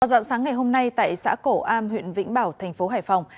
họ dọn sáng ngày hôm nay tại xã cổ am huyện vĩnh bảo thành phố hải phòng